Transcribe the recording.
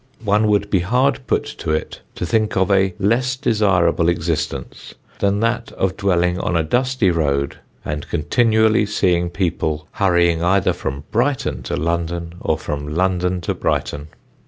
One would be hard put to it to think of a less desirable existence than that of dwelling on a dusty road and continually seeing people hurrying either from Brighton to London or from London to Brighton.